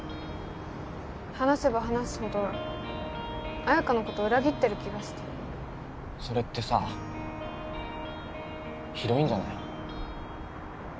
話せば話すほど彩花のこと裏切ってる気がしてそれってさひどいんじゃない？